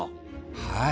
はい。